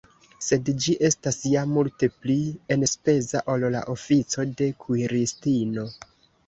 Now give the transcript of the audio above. Sed ĝi estas ja multe pli enspeza, ol la ofico de kuiristino.